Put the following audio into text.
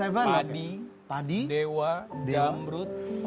padi dewa jamrut